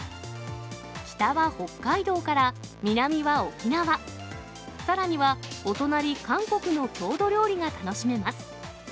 北は北海道から南は沖縄、さらにはお隣、韓国の郷土料理が楽しめます。